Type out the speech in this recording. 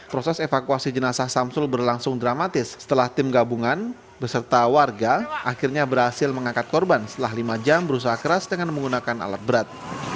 proses evakuasi jenazah samsul berlangsung dramatis setelah tim gabungan beserta warga akhirnya berhasil mengangkat korban setelah lima jam berusaha keras dengan menggunakan alat berat